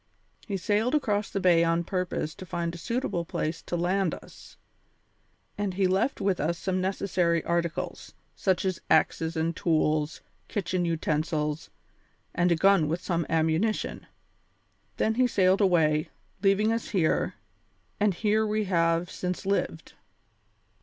He sailed across the bay on purpose to find a suitable place to land us, and he left with us some necessary articles, such as axes and tools, kitchen utensils, and a gun with some ammunition. Then he sailed away, leaving us here, and here we have since lived.